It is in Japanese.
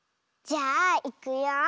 じゃあいくよ。